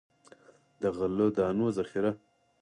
د غلو دانو ذخیره.